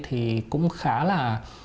thì cũng khá là